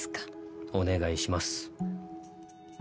お願いします。